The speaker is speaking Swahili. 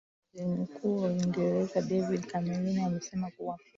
waziri mkuu wa uingereza david cameron amesema kuwa